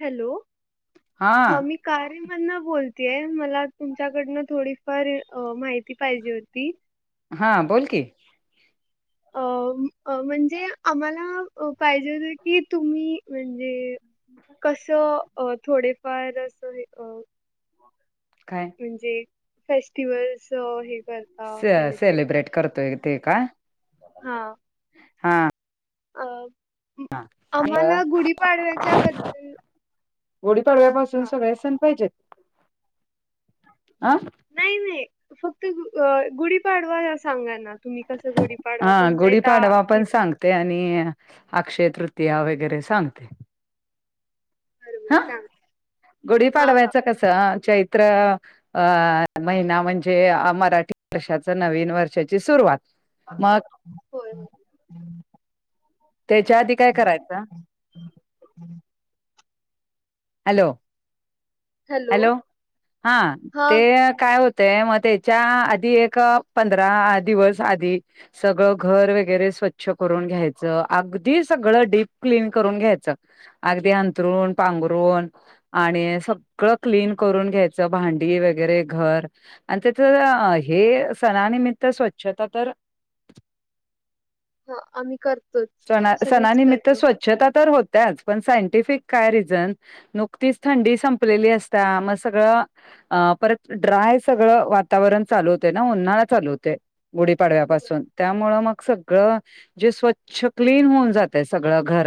Hello हा मी. कार्य मधन बोलतेय मला तुमच्याकडनं थोडीफार माहिती पाहिजे होती. हां बोल की. अ म्हणजे आम्हाला पाहिजे हो की तुम्ही म्हणजे. कस थोडेफार अस अ. काय. म्हणजे फेस्टिवल् हे कर. स सेलिब्रेट करतोय ते का. हा. हा. अ आम्हाला गुढीपाडव्याच्या बद्दल. गुडीपाडव्या पाासून हां सगळे सण पाहिजेत [unintelligible] अं. नाही नाही फक्त गुढीपाडवा सांगा ना तुम्ही कसं गुढी. हा गुढीपाडवा पण सांगते आणि अक्षय तृतीया वगैरे सांगते. बरोबर हा सांगा गुढी हा हा पाडवायचं कसं चैत्र. अ महिना म्हणजे मराठी वर्षाच नवीन वर्षाची सुरुवात. मग. होय हो. त्याच्या आधी काय करायचं. हॅलो हॅलो हा हा ते काय होत. ते मग त्याच्या आधी एक पंधरा दिवस आधी. सगळं घर वगैरे स्वच्छ करून घ्यायचं अगदी सगळं डीप क्लीन करून घ्यायचं. अगदी अंतरुण पांघरूण. आणि सगळं क्लीन करून घ्यायचं भांडी वगैरे घर. आणि त्याथ हे सणानिमित्त स्वच्छता तर ह आम्ही करत सणा सणानिमित्त स्वच्छता तर होत्याच पण सायंटिफिक काय रिझन नुकतीच थंडी संपलेली असता मग सगळं अ परत ड्राय सगळं वातावरण चालू होतें ना उन्हाळळा चालू होते होय गुढीपाडव्यापासून त्यामुं मग सगळं जे स्वच्छ. क्न होऊन जात सग घ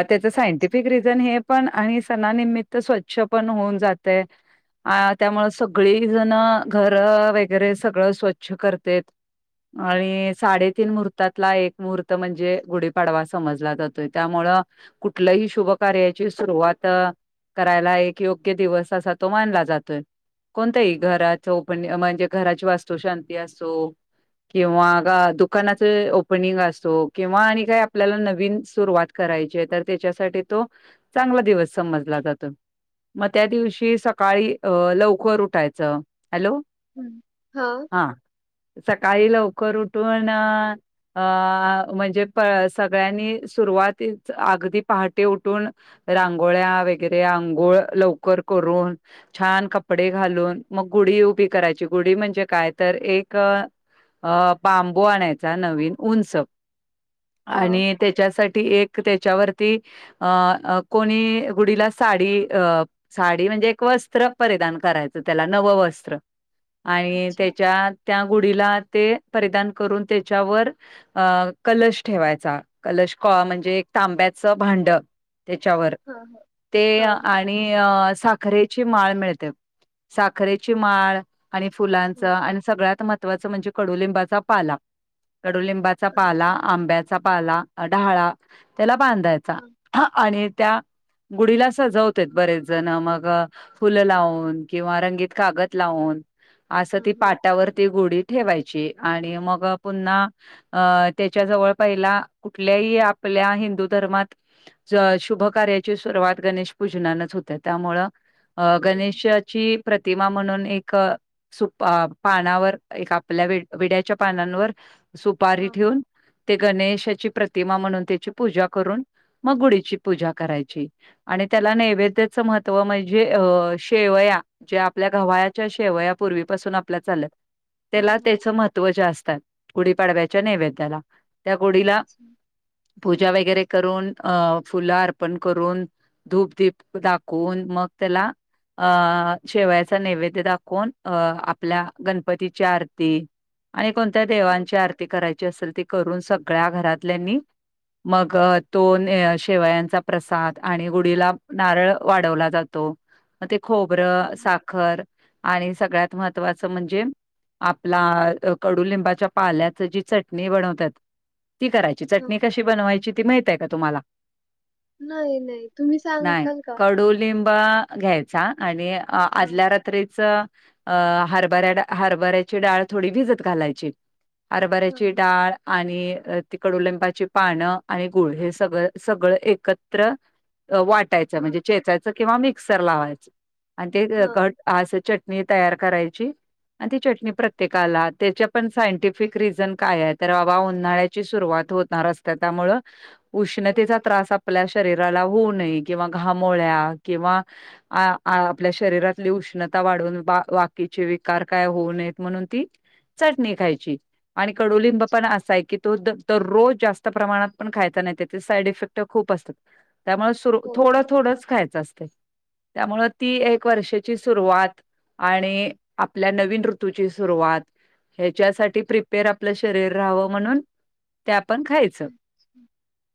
त्यां. हे पण आणि सणानिमित्त स्वच्छ पण होऊन जातय. अ त्यामु सगळी जण घर वगैरे सगळं स्वच्छ करत आणि साडेतीन मुहूर्तातला एक मुहूर्त म्हणजे गुढीपाडवा समजला जातोय त्यामुळ कुठलही शुभ कार्याची सुरुवात करायला एक योग्य दिवस असा तो मानला जातोय. कोणतही घरा चौप म्हणजे घराची वास्तू शांती असतो. किंवा ग अच्छा दुकानाच ओपनिंग अस. किंवा आणि काही आपल्याला नवीन सुरवात करायची तर त्याच्यासाठी तो चांगला दिवस समजला जातो. मग त्या अच्छा दिवशी सकाळी अ लवकर उठायचं हॅलो. हम् हा. हा सकाळी लवकर उठून अ. म्हणजे सगळ्यांनी सुरुवाती अगदी पहाटे उठून रांगोळ्या वगैरे अंघोळ लवकर करून छान कपडे घालून मग गुढी उभी करायची गुढी म्हणजे काय तर एक अ बांबू आणायचा नवीन उंच हा आणि त्याच्यासाठी एक त्याच्यावरती अ कोणी गुढीला साडी अ. साडी म्हणजे एक वस्त्र परिधान करायचं त्याला नवं वस्त्र आणि अच्छा त्याच्या त्या गुढीला ते परिधान करून त्याच्यावर अ कलश ठेवायचा कलश क म्हणजे एक तांब्याचं भांड त्याच्यावर हा हा ते हा हा आणि आणि साखरेची माळ मिळते साखरेची माळ. आणि फुलांच हा आणि सगळ्यात महत्त्वाचं म्हणजे कडुलिंबाचा पाला कडुलिंबाचा चा पाला अच्छा आंब्याचा पाला ढाळा त्याला बांधायचा हा आणि त्या गुढीला सजवत बरेच जण मग फुलं लावून किंवा रंगीत कागद लावून असं हा ती हा पाटावरती गोडी ठेवायची आणि मग पुन्हा अं त्याच्या जवळ पहिला कुठल्याही आपल्या हिंदू धर्मात शुभ कार्याची सुरुवात गणेश पूजनानच होते त्यामुं अ होय गणेश ची प्रतिमा म्हणून एक सुप पानावर एक आपल्या विड्याच्या पानांवर सुपारी हा ठेवून ते गणेशाची प्रतिमा म्हणून त्याची पूजा करून मग गुडीची पूजा करायची. आणि त्याला नैवेद्याचं महत्त्व म्हणजे अ शेवया जे आपल्या गव्हायाच्या शेवयापूर्वीपासून आपल्या चालत. हा त्याला हा त्याच महत्त्व जे असतात गुढीपाडव्याच्या नैवेद्याला त्या गुढीला अच्छा पूजा वगैरे करून अं फुलं अर्पण करून धूपधीप दाखवून मग त्याला अ शेवयाचा नैवेद्य दाखवून अ आपल्या गणपतीची आरती आणि कोणत्या हा देवांची आरती करायची असेल ती करून सगळ्या घरातल्यांनी मग तो शेवयांचा प्रसाद आणि गुढीला नारळ वाढवला जातो. ते हा खोबरं साखर आणि सगळ्यात महत्त्वाचं म्हणजे आपला कडुलिंबाच्या पाल्यात जी चटणी बनवतात ती करायची हा चटणी कशी बनवायची ती माहित आहे का तुम्हाला नाही नाही तुम्ही सांगताल का? लि घ्यायचा आणि हा आदल्या. च हरभऱ्या हरभऱ्याची डाळ थोडी भिजत घालायची. हा अरबऱ्याची हा डाळ. आणि तिकड उलेंबाची पानं आणि गुळ हे सगळ सगळं एकत्र वाटायचं हा म्हणजे चेचायचं किंवा मिक्सर लावायचं आणि ते हा घ. अस चटणी तयार करायची आणि ती चटणी प्रत्येकाला त्याच्या पण सायंटिफ रिझन काय आहे तर बाबा उन्हाळ्याची सुरवात होणार असते त्यामु हा उष्णतेचा त्रास आपल्या शरीराला होऊ नये किंवा घामोळ्या किंवा आपल्या शरीरातली उष्णता वाढून वाकीचे विकार काय होऊ नयेत म्हणून ती चट निघायची. आणि कडुलिंब अच्छा पण असाय की, तो दरोज जास्त प्रमाणात पण खायचा नाही, त्यांचे साईड इफेक्ट खूप असतात. त्यामुळें होय थोड होय थोडंच खायचं असते. त्यामुळं ती एक वर्षाची सुरवात. आणि आपल्या नवीन ऋतूची सुरवात, हेच्यासाठी प्रिप पेर आपलं शरीर राहावं म्हणून, ते आपण खायचं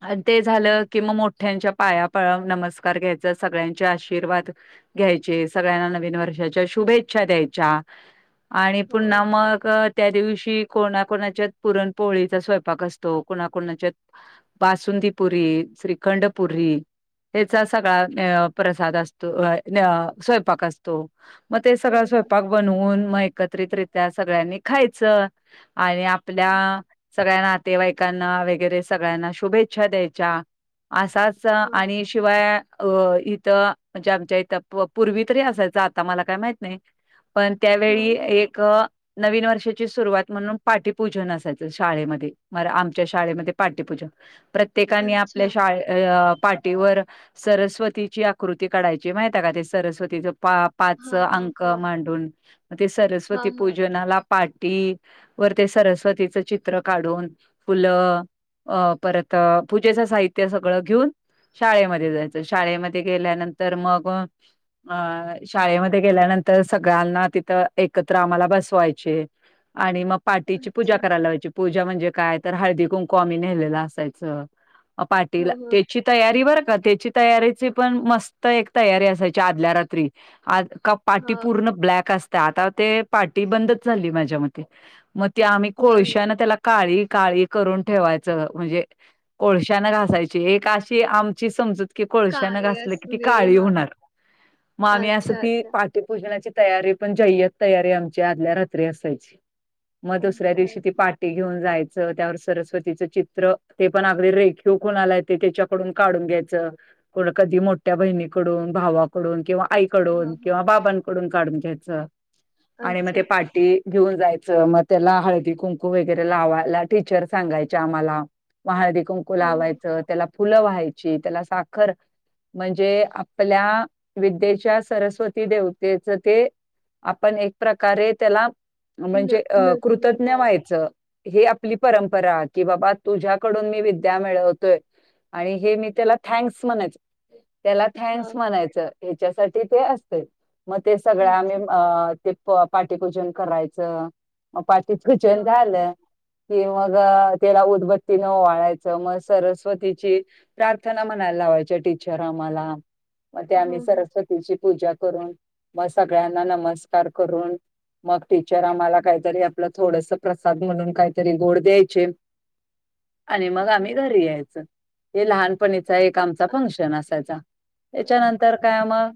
आणि ते हा झालं. की मग मोठ्यांच्या पाया पळ-नमस्कार घ्यायचं, सगळ्यांच आशीर्वाद. घ्यायचे, सगळ्यांना नवीन वर्षाच्या शुभेच्छा द्यायच्या. आणि हो पुन्हा मग त्या दिवशी. कोणाकोणाच्यात पुरणपोळीचा स्वयंपाक असतो, कोणाकोणाच्यात. बासुंदीपुरी, श्रीखंडपुरी. हेचा सगळा प्रसाद असतो, स्वयंपाक असतो. तो मग ते सगळं होय स्वयंपाक बनवून, मग एकत्रितरित्या सगळ्यांनी खायचं. आणि होय आपल्या. सगळ्यां नातेवाईकांना वगैरे, सगळ्यांना शुभेच्छा द्यायच्या. असं असं हा आणि, शिवाय अ- इथं म्हणजे, आमच्या इथं पूर्वी तरी असायच आता मला काय माहित नाही. पण हा त्यावेळी, एक नवीन वर्षाची सुरुवात. म्हणून पाठीपूजन असायचं, शाळेमध्ये म-आमच्या शाळेमध्ये पाठीपूजन प्रत्ये त्येकाने अच्छा आपल्या शाळेत ते. अ.. पाठीवर सरस्वतीची आकृती काढायची, माहिती आहे का ते, सरस्वतीचं पाप पाच हा हा अंक हा मांडून मग ते, हा सरस्वती हा पूजनाला पाठी. वर ते सरस्वतीचं चित्र काढून फुलं. अ.. परत पूजेचं साहित्य सगळं घेऊन. शाळेमध्ये जायचं. शाळेमध्ये गेल्यानंतर मग, अ.. शाळेमध्ये गेल्यानंतर सगळ्यांना तिथं एकत्र आम्हाला बसवायचे. आणि मग पाटीची पूजा अच्छा करायला लावायच. पूजा म्हणजे काय तर हळदी कुंकू आम्ही नेलेल असायचं. हा पाटीला हा ते चि तयारी बरं का त्याची, तयारीची पण मस्त एक तयारी असायची, आदल्या रात्री हा पाटी पूर्ण ब्लॅक असते, आता ते पाटी बंदच झाली माझ्या मते, ते आम्ही होय होय कोळशान त्याला, काळी काळी करून ठेवायचं, म्हणजे कोळश्यान घासायची, एक अशी आमची समजूत. कि कोळसान काळ्या घासली की, ती काळी स्नेहा होणार मग आम्ही अच्छा असती. अच्छा पूजनाची तयारी पण, जय्यत तयारी आमची आदल्या रात्री असायची. मग दुसऱ्या अच्छा दिवशी ती पाठ घेऊन जायचं. त्यावर सरस्वतीच चित्र ते, पण अगदी रेखिव कोणाला येत. ते तेच्याकडून काढून घ्यायचं, कोन कधी मोठ्या बहिणीकडून भावाकडून किंवा, हा आईकडून हा किंवा बाबांनकडून काढून घ्यायचं, आणि मग अच्छा ते पाठी‌ घेऊन जाय चं मग त्याला हळदी कुंकू वगैरे, लावायला टीचर सांगायचे आम्हाला. मग हळदी कुं कू हा हा लावायचं, त्याला फुलं व्हायची. त्याला साखर म्हणजे, आपल्या विद्येच्या सरस्वती देवतेच ते, आपण एक प्रकारे त्याला न म्हणजे अ- नवीन कृतज्ञ हा व्हायचं. ही आपली परंपरा की, बाबा तुझ्याकडून मी विद्या मिळवतोय. आणि हे मी त्याला थँक्स म्हणायचं. त्याला हा थँक्स हा. म्हणायचं, हेच्यासाठी ते असते. मग ते सगळं आम्ही अच्छा ते, प- पाटीपूजन करायचं, मग पाटीपूजन हा हा झालं. कि मग त्याला उदबत्तीन ओवाळायचं मग, सरस्वतीची. प्रार्थना म्हणायला लावायच्या टीचर आम्हाला. मग ते हा आम्ही हा सरस्वतीची पूजा करून मग, सगळ्यांना नमस्कार करून, मग टीचर आम्हाला काहीतरी आपलं, थोडस प्रसाद म्हणून काहीतरी गोड द्यायचे. आणि हा मग आम्ही हा घरी यायच. हे लहानपणीचा एक आमचा अच्छा फंक्शन असायचा, हेच्यानंतर काय मग?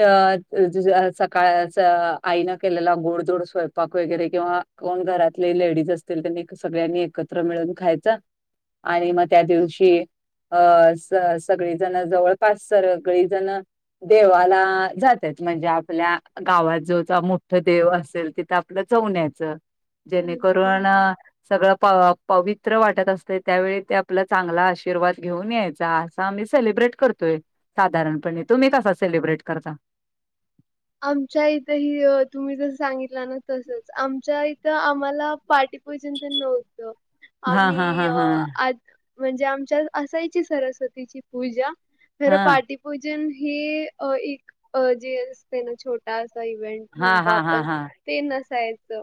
अ सकाळच आईनं केलेला गोड थोड स्वयंपाक वगैरे किंवा घरातले लेडीज असतील त्यांनी सगळ्यांनी एकत्र मिळून खायचा. आणि म त्या दिवशी अच्छा अ स सगळीजण जवळपास सगळी जणं देवाला जातात म्हणजे आपल्या गावात जो मोठ देव अस असेल तिथं आपलं जाऊन यायचं जेणे अच्छा करून हा. सगळं प पवित्र वाटत असतय त्यावेळी ते आपला चांगला आशीर्वाद घेऊन यायचा. आम्ही सेलिब्रेट करतोय साधारणपणे तुम्ही कसा सेलिब्रेट करता? आमच्या इथंही तुम्ही जस सांगितलं ना तसच आमच्या इथं आम्हाला पाटी पुजन तन नव्हत हा हा आम्ही हा अ हा आज म्हणजे आमच्या असायची सरस्वतीची पूजा खर हा पाठी भोजन हे एक जे असतय ना छोटा असा इव्हेंट. हा म्हणतो हा हा हा आपण हा ते नसायच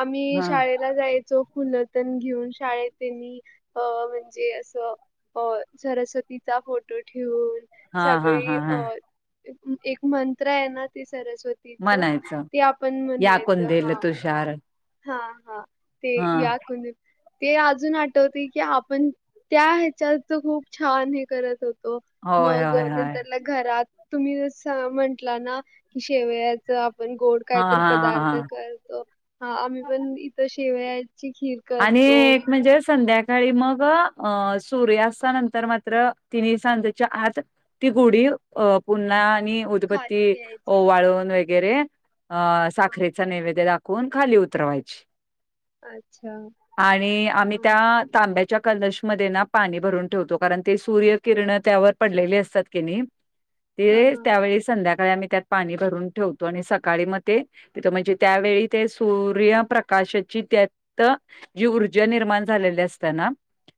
आम्ही शाळे ला जायचो फुलतण घेऊन शाळेत त्यांनी अ म्हणजे असं अ सरस्वतीचा फोटो ठेवून. हा हा सगळे हा हा अ एक मंत्र आहे ना ते सरस्वतीच म्हणायचं ते आपण म्हणायचं हा.. शार. हा, हा ते याकून ते अजून आठवतय की आपण त्या ह्याच्याच खूप छान हे करत होतो. त होय, मग होय, होय. नंतरला घरात तुम्ही जस म्हंटला ना की शेवया आपण गोड काय हां, तर हां, हां, पदार्थ हां. करतो. हा, आम्ही पण इथं शेवयाची खिर आणि एक म्हणजे संध्याका सकाळी, मग अ सूर्यास्ता नंतर मात्र तिन्ही सांजच्या आत. ती गोडी अ पुन्हा आणि खाली उदबती घ्यायची ओवाळून वगैरे अ हा साखरे नैवेद दाखवून खाली उतरवायची. अच्छा. आणि आम्ही हा त्या तांब्यात कलश मध्ये ना पाणी भरून ठेवतो कारण ते सूर्य किरण त्यावर पडलेली असतात कि नाय. ते, हा त्यावेळी संध्याकाळी आम्ही त्यात पाणी भरून ठेवतो आणि सकाळी मग ते तिथं म्हणजे त्यावेळी ते सूर्यप्रकाशाची त्या तर जी ऊर्जा निर्माण झालेली असतेना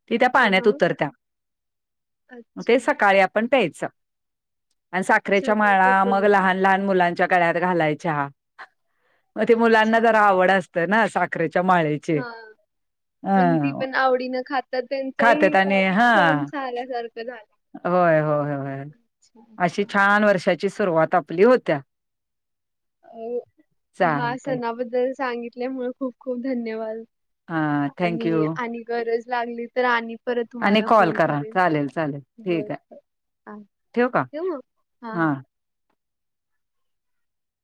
ती त्या हा पाण्यात हा उतरत्या. म ते अच्छा सकाळी आपण प्यायचं, आणि साखरेच्या सगळे माळा मग कुटुंब लहान लहान मुलांच्या गळ्यात घालायच्या ह मग ते मुलांना जरा अच्छा आवड अस ना साखरेच्या माळेत. हा, म्हण ती पण आवडीनं खातात त्यांचाही खात्यात आणि एक सण हा झाल्यासारखं झाला. होय, होय, होय अच्छा. अशी छान वर्षाची सुरुवात आपली होत्या. अ, ह्या चालतंय. सणाबद्दल सांगितल्यामुळ खूप, खूप धन्यवाद. हा आणि, थँक्यू आणि गरज लागली तर आणि परत आणि तुम्हाला कॉल फोन करा. करेल चालेल, चालेल. होय. ठीक आहे. हा ठेवू का? ठेऊम हा, हा.